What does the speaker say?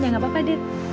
ya gak apa apa dit